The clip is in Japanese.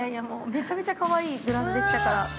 もうめちゃめちゃかわいいグラスできたから。